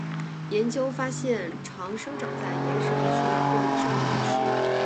研究发现常生长在岩石地区或以上的巨石。